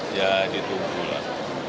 ya ditunggu lah